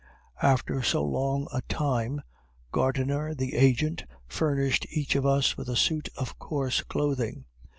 After so long a time, Gardner, the agent, furnished each of us with a suit of coarse clothing.